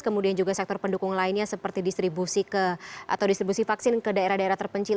kemudian juga sektor pendukung lainnya seperti distribusi vaksin ke daerah daerah terpencil